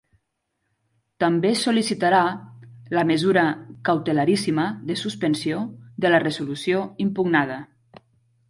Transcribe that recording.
També sol·licitarà la mesura cautelaríssima de suspensió de la resolució impugnada.